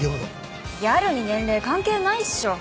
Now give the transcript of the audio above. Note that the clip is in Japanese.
ギャルに年齢関係ないっしょ。